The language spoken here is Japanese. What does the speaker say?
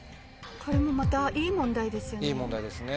これもまたいい問題ですよね。